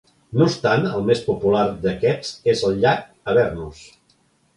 No obstant, el més popular d'aquests és el llac Avernus.